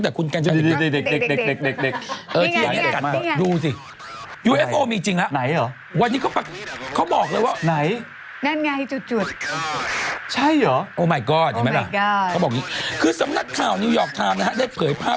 เทฟิริสจุวัตรลังษณา